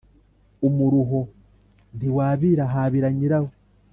Umuruho ntiwabira habira nyirawo.